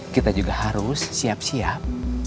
kita juga harus siap siap